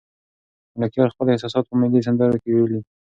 ملکیار خپل احساسات په ملي سندرو کې ویلي.